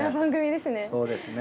そうですね。